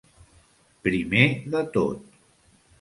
Primer de tot.